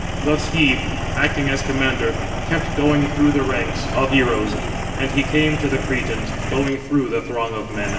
Thus he, acting as commander, kept going through the ranks of heroes, and he came to the Cretans, going through the throng of men.